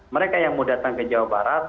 mereka yang mau datang ke jawa barat